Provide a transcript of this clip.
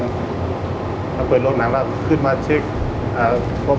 สวัสดีครับผมชื่อสามารถชานุบาลชื่อเล่นว่าขิงถ่ายหนังสุ่นแห่ง